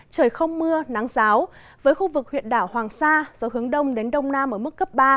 trời không mưa nắng giáo với khu vực huyện đảo hoàng sa gió hướng đông đến đông nam ở mức cấp ba